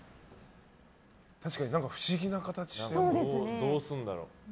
確かに不思議な形してる。どうするんだろう。